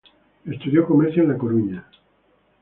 Estudió comercio en La Coruña.